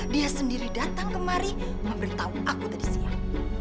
dia sendiri datang kemari memberitahu aku tadi siang